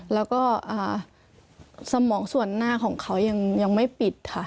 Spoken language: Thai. แล้วก็สมองส่วนหน้าของเขายังไม่ปิดค่ะ